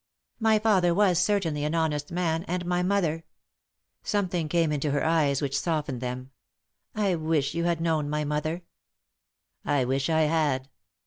" My father was certainly an honest man, and my mother " Something came into her eyes which softened them. " I wish you had known my mother." " I wish I had."